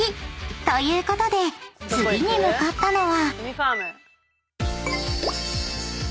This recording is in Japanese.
［ということで次に向かったのは］